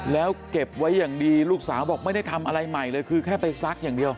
แล้วเก็บไว้อย่างดีลูกสาวบอกไม่ได้ทำอะไรใหม่เลยคือแค่ไปซักอย่างเดียว